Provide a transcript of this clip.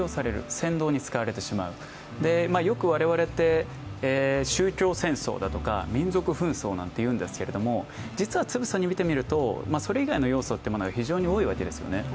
扇動に使われてしまう、よく我々って宗教戦争だとか民族紛争なんて言うんですけれども、実はつぶさに見てみるとそれ以外の要素というものが非常に多いわけですよね。